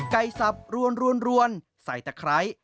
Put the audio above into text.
ไก่สับรวนสายตะไคร้